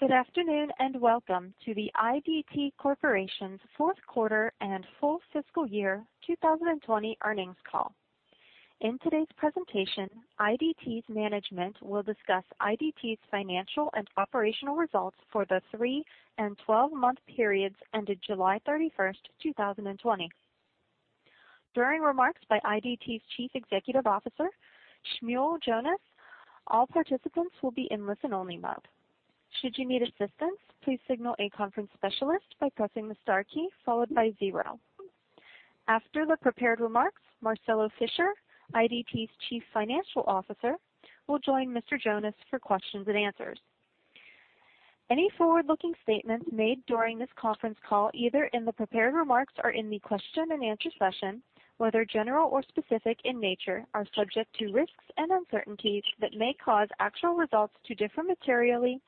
Good afternoon and welcome to the IDT Corporation's Fourth Quarter and Full Fiscal Year 2020 earnings call. In today's presentation, IDT's management will discuss IDT's financial and operational results for the three and 12-month periods ended July 31st, 2020. During remarks by IDT's Chief Executive Officer, Shmuel Jonas, all participants will be in listen-only mode. Should you need assistance, please signal a conference specialist by pressing the star key followed by zero. After the prepared remarks, Marcelo Fischer, IDT's Chief Financial Officer, will join Mr. Jonas for questions and answers. Any forward-looking statements made during this conference call, either in the prepared remarks or in the question-and-answer session, whether general or specific in nature, are subject to risks and uncertainties that may cause actual results to differ materially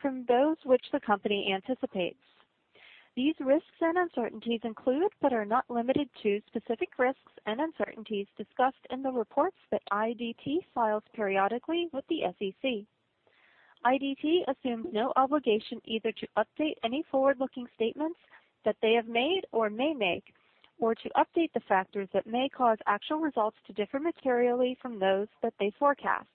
from those which the company anticipates. These risks and uncertainties include, but are not limited to, specific risks and uncertainties discussed in the reports that IDT files periodically with the SEC. IDT assumes no obligation either to update any forward-looking statements that they have made or may make, or to update the factors that may cause actual results to differ materially from those that they forecast.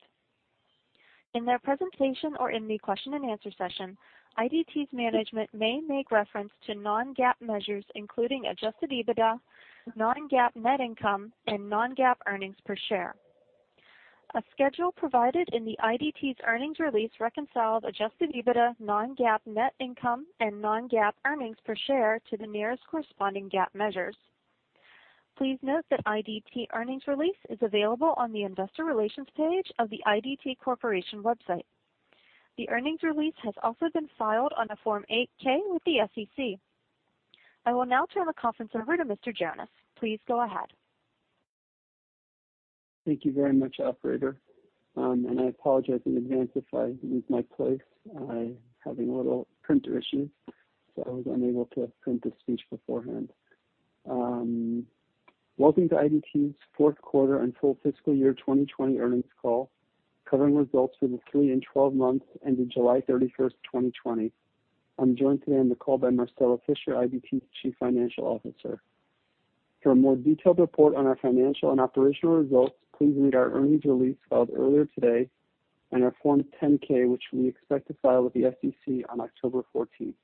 In their presentation or in the question-and-answer session, IDT's management may make reference to non-GAAP measures including Adjusted EBITDA, non-GAAP net income, and non-GAAP earnings per share. A schedule provided in IDT's earnings release reconciles Adjusted EBITDA, non-GAAP net income, and non-GAAP earnings per share to the nearest corresponding GAAP measures. Please note that IDT's earnings release is available on the investor relations page of the IDT Corporation website. The earnings release has also been filed on a Form 8-K with the SEC. I will now turn the conference over to Mr. Jonas. Please go ahead. Thank you very much, operator. I apologize in advance if I lose my place. I'm having a little printer issue, so I was unable to print this speech beforehand. Welcome to IDT's fourth quarter and full fiscal year 2020 earnings call, covering results for the three and 12 months ended July 31st, 2020. I'm joined today on the call by Marcelo Fischer, IDT's Chief Financial Officer. For a more detailed report on our financial and operational results, please read our earnings release filed earlier today and our Form 10-K, which we expect to file with the SEC on October 14th.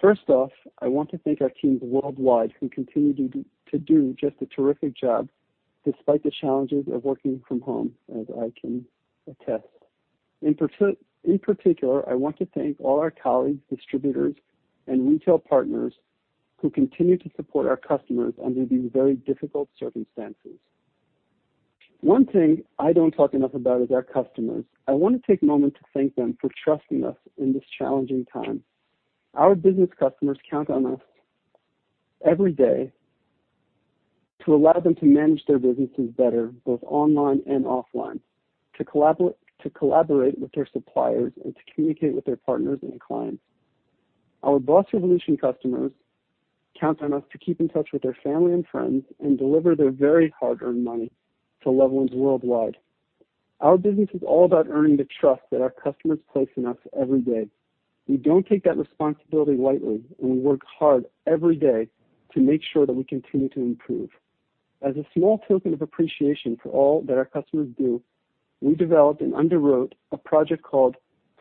First off, I want to thank our teams worldwide who continue to do just a terrific job despite the challenges of working from home, as I can attest. In particular, I want to thank all our colleagues, distributors, and retail partners who continue to support our customers under these very difficult circumstances. One thing I don't talk enough about is our customers. I want to take a moment to thank them for trusting us in this challenging time. Our business customers count on us every day to allow them to manage their businesses better, both online and offline, to collaborate with their suppliers, and to communicate with their partners and clients. Our BOSS Revolution customers count on us to keep in touch with their family and friends and deliver their very hard-earned money to loved ones worldwide. Our business is all about earning the trust that our customers place in us every day. We don't take that responsibility lightly, and we work hard every day to make sure that we continue to improve. As a small token of appreciation for all that our customers do, we developed and underwrote a project called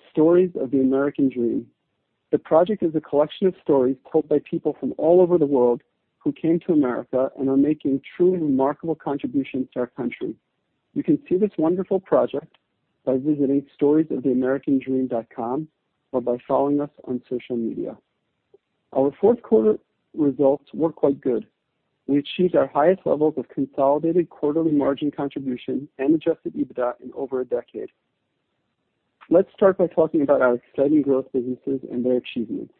Stories of the American Dream. The project is a collection of stories told by people from all over the world who came to America and are making truly remarkable contributions to our country. You can see this wonderful project by visiting storiesoftheamericandream.com or by following us on social media. Our fourth quarter results were quite good. We achieved our highest levels of consolidated quarterly margin contribution and Adjusted EBITDA in over a decade. Let's start by talking about our exciting growth businesses and their achievements.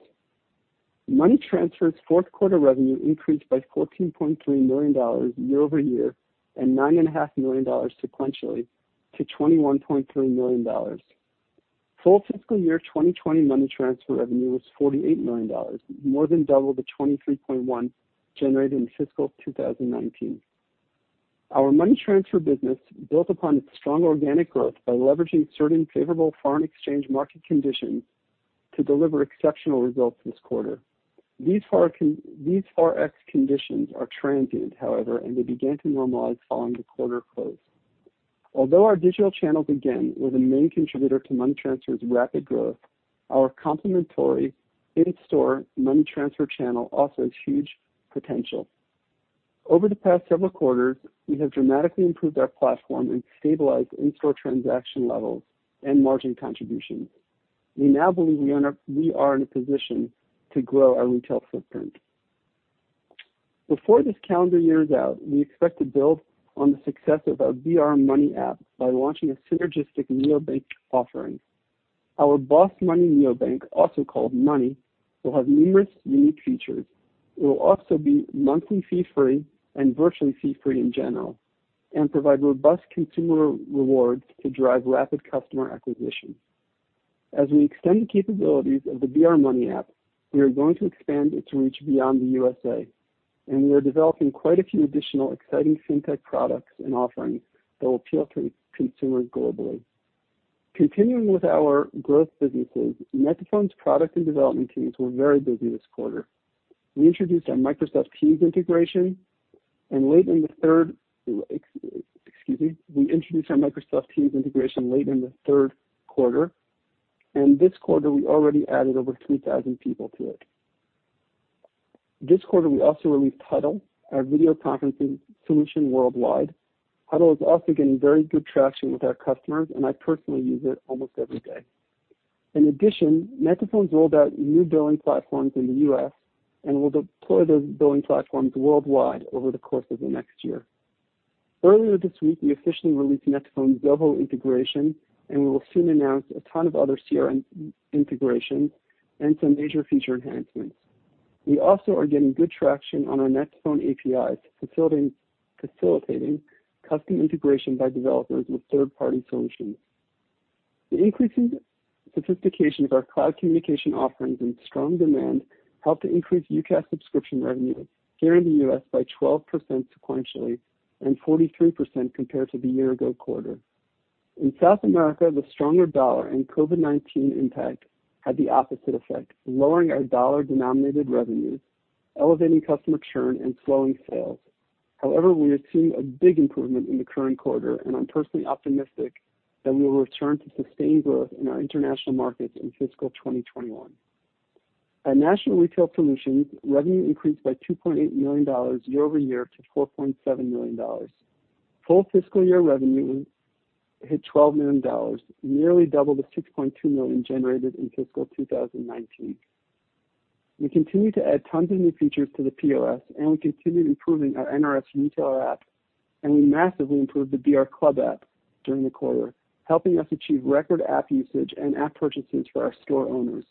Money transfer's fourth quarter revenue increased by $14.3 million year-over-year and $9.5 million sequentially to $21.3 million. Full fiscal year 2020 money transfer revenue was $48 million, more than double the $23.1 million generated in fiscal 2019. Our money transfer business built upon its strong organic growth by leveraging certain favorable foreign exchange market conditions to deliver exceptional results this quarter. These forex conditions are transient, however, and they began to normalize following the quarter close. Although our digital channels again were the main contributor to money transfer's rapid growth, our complementary in-store money transfer channel offers huge potential. Over the past several quarters, we have dramatically improved our platform and stabilized in-store transaction levels and margin contributions. We now believe we are in a position to grow our retail footprint. Before this calendar year is out, we expect to build on the success of our BR Money app by launching a synergistic neobank offering. Our BOSS Money neobank, also called Money, will have numerous unique features. It will also be monthly fee-free and virtually fee-free in general, and provide robust consumer rewards to drive rapid customer acquisition. As we extend the capabilities of the BR Money app, we are going to expand its reach beyond the USA, and we are developing quite a few additional exciting fintech products and offerings that will appeal to consumers globally. Continuing with our growth businesses, net2phone's product and development teams were very busy this quarter. We introduced our Microsoft Teams integration, and late in the third, excuse me, we introduced our Microsoft Teams integration late in the third quarter, and this quarter we already added over 3,000 people to it. This quarter we also released Huddle, our video conferencing solution worldwide. Huddle is also getting very good traction with our customers, and I personally use it almost every day. In addition, net2phone's rolled out new billing platforms in the U.S. and will deploy those billing platforms worldwide over the course of the next year. Earlier this week, we officially released net2phone's Zoho integration, and we will soon announce a ton of other CRM integrations and some major feature enhancements. We also are getting good traction on our net2phone APIs, facilitating custom integration by developers with third-party solutions. The increasing sophistication of our cloud communication offerings and strong demand helped to increase UCaaS subscription revenue here in the U.S. by 12% sequentially and 43% compared to the year-ago quarter. In South America, the stronger dollar and COVID-19 impact had the opposite effect, lowering our dollar-denominated revenues, elevating customer churn, and slowing sales. However, we are seeing a big improvement in the current quarter, and I'm personally optimistic that we will return to sustained growth in our international markets in fiscal 2021. At National Retail Solutions, revenue increased by $2.8 million year-over-year to $4.7 million. Full fiscal year revenue hit $12 million, nearly double the $6.2 million generated in fiscal 2019. We continue to add tons of new features to the POS, and we continued improving our NRS retailer app, and we massively improved the BR Club app during the quarter, helping us achieve record app usage and app purchases for our store owners.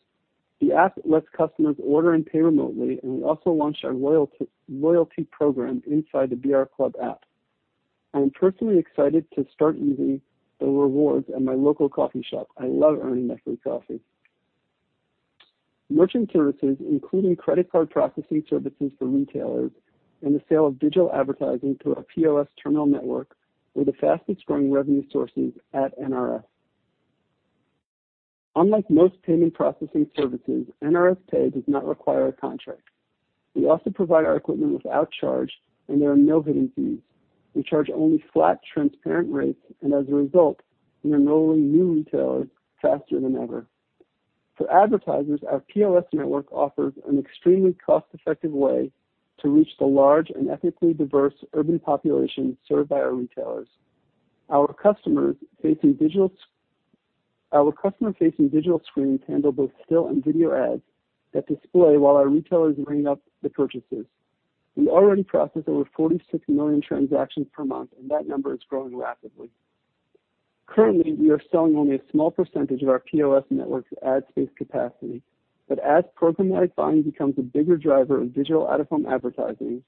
The app lets customers order and pay remotely, and we also launched our loyalty program inside the BR Club app. I am personally excited to start using the rewards at my local coffee shop. I love earning my free coffee. Merchant services, including credit card processing services for retailers and the sale of digital advertising through our POS terminal network, were the fastest-growing revenue sources at NRS. Unlike most payment processing services, NRS Pay does not require a contract. We also provide our equipment without charge, and there are no hidden fees. We charge only flat, transparent rates, and as a result, we are enrolling new retailers faster than ever. For advertisers, our POS network offers an extremely cost-effective way to reach the large and ethnically diverse urban population served by our retailers. Our customers facing digital screens handle both still and video ads that display while our retailers ring up the purchases. We already process over 46 million transactions per month, and that number is growing rapidly. Currently, we are selling only a small percentage of our POS network's ad space capacity, but as programmatic buying becomes a bigger driver of digital out-of-home advertising,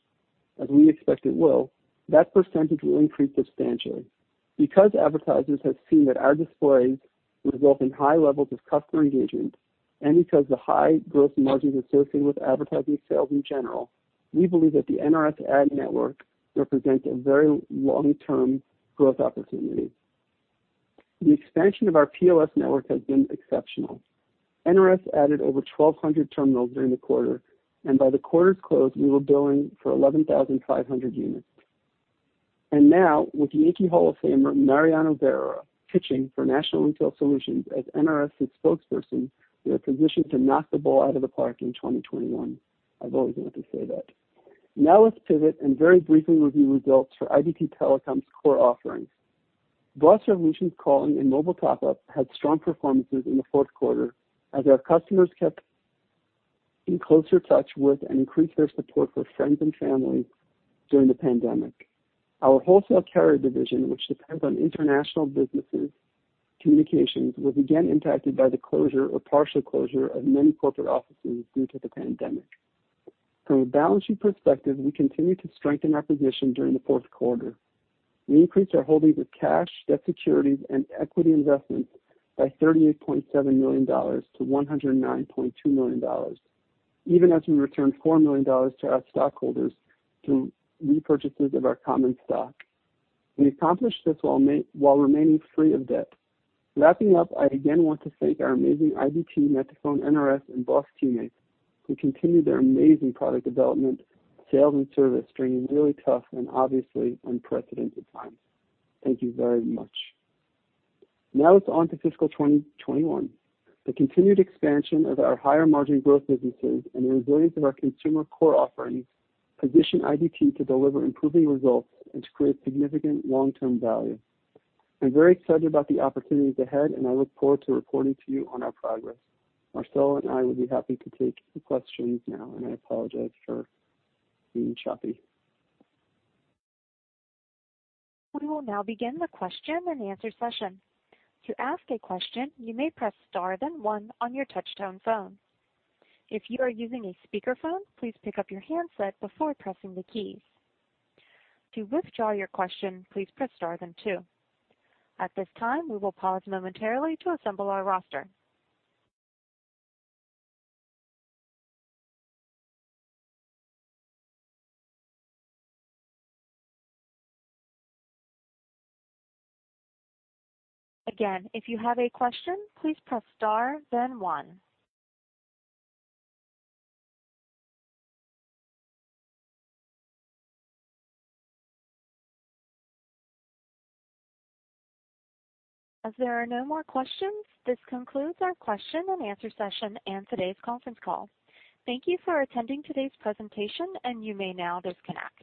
as we expect it will, that percentage will increase substantially. Because advertisers have seen that our displays result in high levels of customer engagement and because of the high gross margins associated with advertising sales in general, we believe that the NRS ad network represents a very long-term growth opportunity. The expansion of our POS network has been exceptional. NRS added over 1,200 terminals during the quarter, and by the quarter's close, we were billing for 11,500 units, and now, with Yankees Hall of Famer Mariano Rivera pitching for National Retail Solutions as NRS's spokesperson, we are positioned to knock the ball out of the park in 2021. I've always wanted to say that. Now let's pivot and very briefly review results for IDT Telecom's core offerings. BOSS Revolution's calling and mobile top-up had strong performances in the fourth quarter, as our customers kept in closer touch with and increased their support for friends and family during the pandemic. Our wholesale carrier division, which depends on international businesses' communications, was again impacted by the closure or partial closure of many corporate offices due to the pandemic. From a balance sheet perspective, we continue to strengthen our position during the fourth quarter. We increased our holdings of cash, debt securities, and equity investments by $38.7 million to $109.2 million, even as we returned $4 million to our stockholders through repurchases of our common stock. We accomplished this while remaining free of debt. Wrapping up, I again want to thank our amazing IDT, net2phone, NRS, and BOSS teammates who continued their amazing product development, sales, and service during really tough and obviously unprecedented times. Thank you very much. Now let's on to fiscal 2021. The continued expansion of our higher-margin growth businesses and the resilience of our consumer core offerings position IDT to deliver improving results and to create significant long-term value. I'm very excited about the opportunities ahead, and I look forward to reporting to you on our progress. Marcelo and I would be happy to take questions now, and I apologize for being choppy. We will now begin the question-and-answer session. To ask a question, you may press star then one on your touch-tone phone. If you are using a speakerphone, please pick up your handset before pressing the keys. To withdraw your question, please press star then two. At this time, we will pause momentarily to assemble our roster. Again, if you have a question, please press star then one. As there are no more questions, this concludes our question and answer session and today's conference call. Thank you for attending today's presentation, and you may now disconnect.